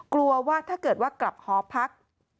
กลัวว่าถ้าเกิดว่ากลับหอพัก